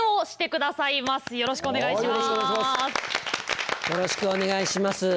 よろしくお願いします。